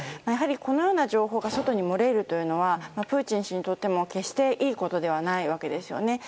やはりこのような情報が外に漏れるというのはプーチン氏にとっても決していいことではないわけですよね。